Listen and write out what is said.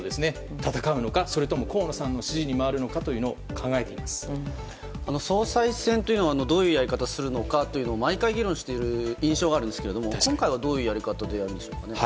戦うのか、それとも河野さんの支持に回るのか総裁選というのはどういうやり方をするのかというのを毎回、議論している印象があるんですが今回は、どういうやり方でやるのでしょうか。